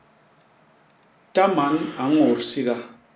Ta man a ñôt siga.